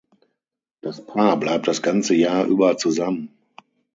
Das Paar bleibt das ganze Jahr über zusammen.